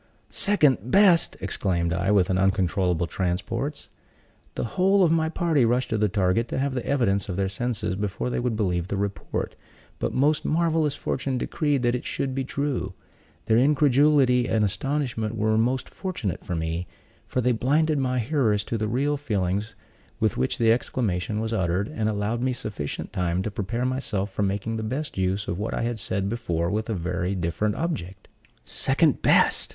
"Second best!" exclaimed I, with uncontrollable transports. The whole of my party rushed to the target to have the evidence of their senses before they would believe the report; but most marvelous fortune decreed that it should be true. Their incredulity and astonishment were most fortunate for me; for they blinded my hearers to the real feelings with which the exclamation was uttered, and allowed me sufficient time to prepare myself for making the best use of what I had said before with a very different object. "Second best!"